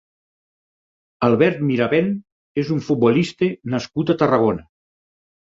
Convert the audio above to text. Albert Miravent és un futbolista nascut a Tarragona.